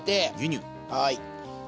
はい。